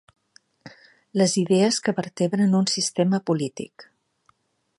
Les idees que vertebren un sistema polític.